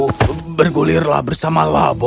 tapi aku tahu seorang wanita tua bisa naik labu